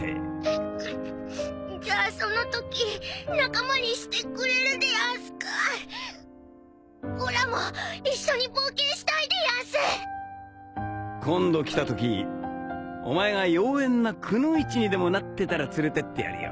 じゃあそのとき仲間にしてくれるでやんすか？おらも一緒に冒険したいでやんす今度来たときお前が妖艶なくノ一にでもなってたら連れてってやるよ